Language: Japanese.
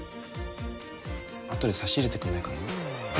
後で差し入れてくんないかな。